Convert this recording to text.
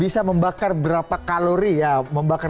bisa membakar berapa kalori ya membakar